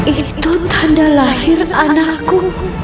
itu tanda lahir anakku